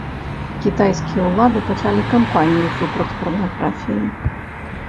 Кітайскія ўлады пачалі кампанію супраць парнаграфіі.